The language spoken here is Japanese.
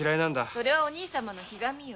それはお兄様のひがみよ。